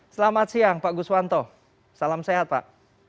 selamat siang pak gus wanto salam sehat pak